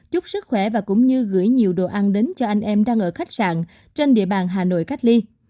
chúc sức khỏe và cũng như gửi nhiều đồ ăn đến cho anh em đang ở khách sạn trên địa bàn hà nội cách ly